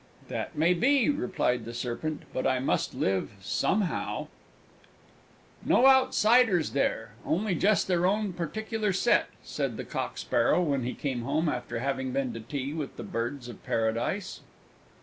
"That may be," replied the Serpent, "but I must live somehow!" "No outsiders there only just their own particular set!" said the Cocksparrow, when he came home after having been to tea with the Birds of Paradise.